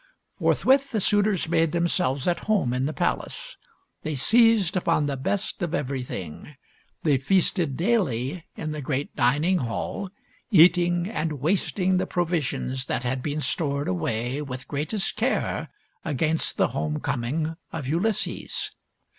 Forthwith the suitors made themselves at home in the palace. They seized upon the best of every thing. They feasted daily in the great dining hall, eating and wasting the provisions that had been stored away with greatest care against the home coming of Ulysses.